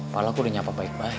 malah aku udah nyapa baik baik